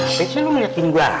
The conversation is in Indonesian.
kenapa sih lo ngeliatin gue aja